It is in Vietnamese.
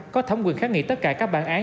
có thẩm quyền kháng nghị tất cả các bản án